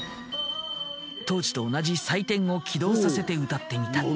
当時と同じさいてんを起動させて歌ってみた。